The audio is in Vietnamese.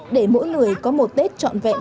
để mỗi người có một tết trọn vẹn